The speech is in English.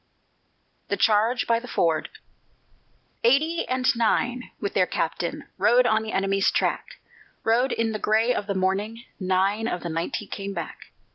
THE CHARGE BY THE FORD Eighty and nine with their captain Rode on the enemy's track, Rode in the gray of the morning: Nine of the ninety came back.